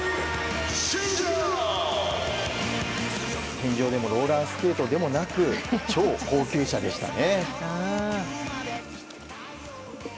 天井でもローラースケートでもなく超高級車でしたね。